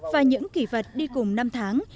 và những kỳ vật đi cùng năm tháng